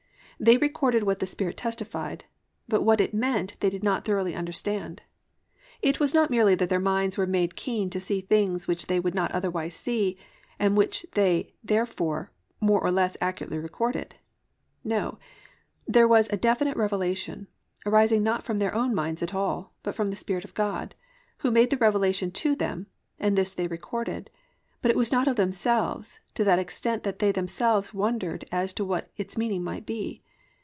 They recorded what the Spirit testified, but what it meant they did not thoroughly understand. It was not merely that their minds were made keen to see things which they would not otherwise see, and which they therefore more or less accurately recorded. No, there was a very definite revelation, arising not from their own minds at all, but from the Spirit of God Who made the revelation to them and this they recorded, but it was not of themselves to that extent that they themselves wondered as to what its meaning might be.